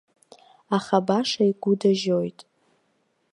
Аха баша игәы дажьоит.